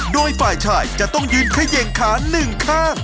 โดยฝ่ายชายจะต้องยืนเขย่งขาหนึ่งข้าง